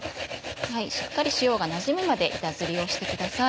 しっかり塩がなじむまで板ずりをしてください。